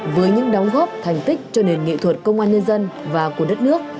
với những đóng góp thành tích cho nền nghệ thuật công an nhân dân và của đất nước